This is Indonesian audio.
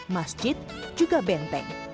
masjid juga benteng